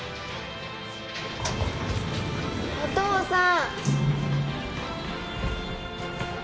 お父さん。